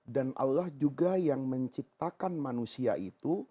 dan allah juga yang menciptakan manusia itu